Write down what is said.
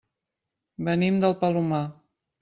Venim del Palomar.